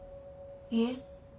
いえ。